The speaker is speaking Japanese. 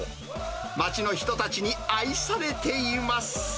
町の人たちに愛されています。